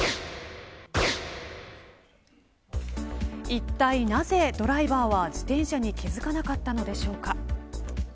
いったいなぜドライバーは自転車に気付かなかったのでしょうか。